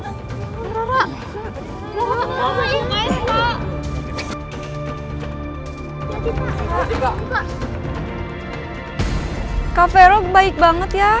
kak vero baik banget